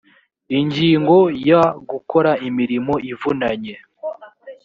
ingingo ya gukora imirimo ivunanye